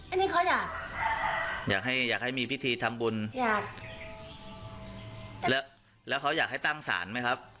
อันนี้เขาอยากอยากให้อยากให้อยากให้มีพิธีทำบุญอยากแล้วแล้วเขาอยากให้ตั้งศาลไหมครับ